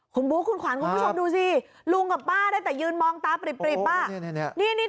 คุณบุ๊คคุณขวัญคุณผู้ชมดูสิลุงกับป้าได้แต่ยืนมองตาปริบอ่ะ